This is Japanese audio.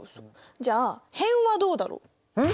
じゃあ辺はどうだろう？んっ！？